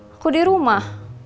aku di rumah